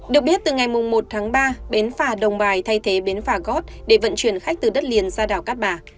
được biết từ ngày một tháng ba bến phà đồng bài thay thế bến phà gót để vận chuyển khách từ đất liền ra đảo cát bà